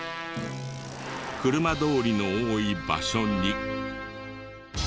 車通りの多い場所に。